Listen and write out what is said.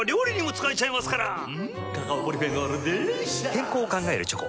健康を考えるチョコ。